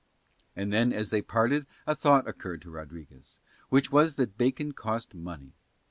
And then as they parted a thought occurred to Rodriguez, which was that bacon cost money.